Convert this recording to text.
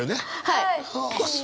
はい。